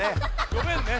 ごめんね。